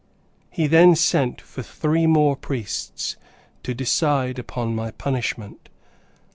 He then sent for three more priests, to decide upon my punishment.